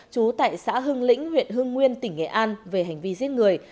trú tại xã hưng lĩnh huyện hưng nguyên tỉnh nghệ an về hành vi giết người